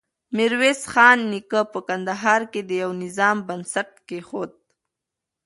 ميرويس خان نيکه په کندهار کې د يوه نظام بنسټ کېښود.